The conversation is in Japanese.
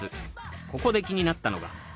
ここで気になったのが